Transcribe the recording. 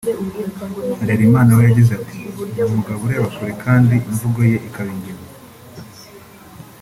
Harerimana we yagize ati “Ni umugabo ureba kure kandi imvugo ye ikaba ingiro